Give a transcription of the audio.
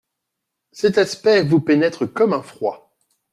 Cet aspect vous pénètre comme un froid.